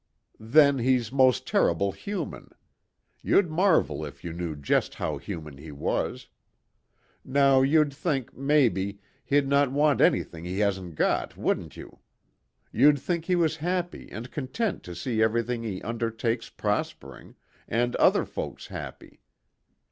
Then he's most terrible human. You'd marvel if you knew just how human he was. Now you'd think, maybe, he'd not want anything he hasn't got, wouldn't you? You'd think he was happy and content to see everything he undertakes prospering, and other folks happy.